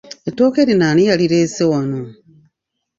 Ettooke lino ani yalireese wano?